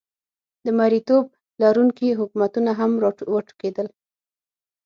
د مریتوب لرونکي حکومتونه هم را وټوکېدل.